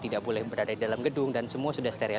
tidak boleh berada di dalam gedung dan semua sudah steril